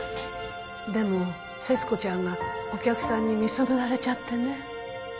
でも勢津子ちゃんがお客さんに見初められちゃってね